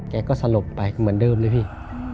แกก็สลบไปเหมือนเดิมเลยพี่